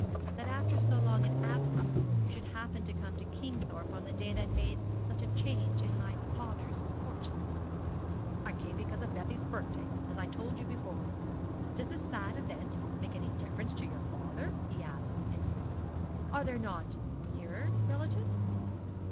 'That after so long an absence you should happen to come to Kingthorpe on the day that made such a change in my father's fortunes.' 'I came because of Bessie's birthday as I told you before. Does this sad event make any difference to your father?' he asked innocently. 'Are there not nearer relatives?'